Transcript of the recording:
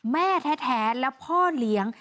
แม่แท้และพ่อเลี้ยง